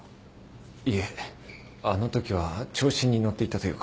いえあのときは調子に乗っていたというか。